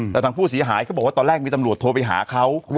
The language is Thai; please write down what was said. แต่ทางผู้เสียหายเขาบอกว่าตอนแรกมีตำรวจโทรไปหาเขา